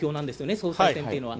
総裁選っていうのは。